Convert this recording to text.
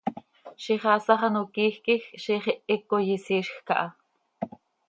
Ziix haasax ano quiij quij ziix ihic coi isiizjc aha.